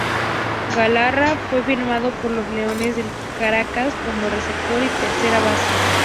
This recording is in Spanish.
Galarraga fue firmado por los Leones del Caracas, como receptor y tercera base.